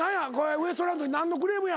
ウエストランドに何のクレームや？